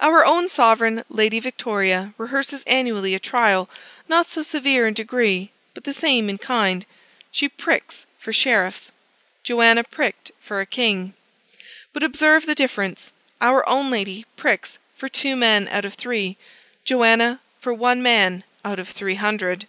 Our own sovereign lady Victoria rehearses annually a trial not so severe in degree, but the same in kind. She "pricks" for sheriffs. Joanna pricked for a king. But observe the difference: our own lady pricks for two men out of three; Joanna for one man out of three hundred.